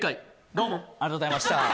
どうもありがとうございましたえ